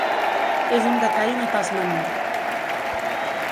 És un detall no pas menor.